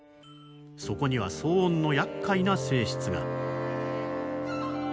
そこには騒音のやっかいな性質が。